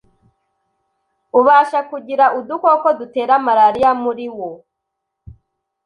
ubasha kugira udukoko dutera malaria muri wo.